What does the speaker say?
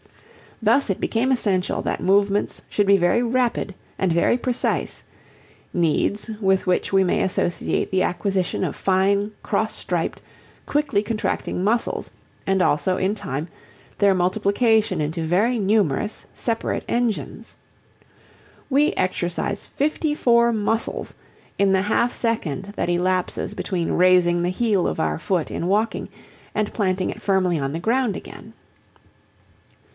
Thus it became essential that movements should be very rapid and very precise, needs with which we may associate the acquisition of fine cross striped, quickly contracting muscles, and also, in time, their multiplication into very numerous separate engines. We exercise fifty four muscles in the half second that elapses between raising the heel of our foot in walking and planting it firmly on the ground again.